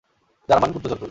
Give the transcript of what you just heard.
German গুপ্তচর তুই!